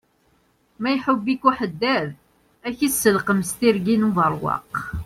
Ma iḥubb-ik uḥeddad, ak iselqem s tirgin ubeṛwaq.